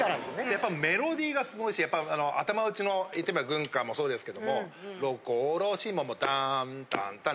やっぱメロディーがすごいし頭打ちの言ってみりゃ軍歌もそうですけども六甲おろしもダーンタンタン。